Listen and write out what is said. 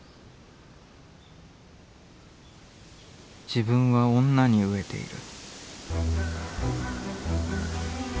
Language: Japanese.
「自分は女に餓えている」。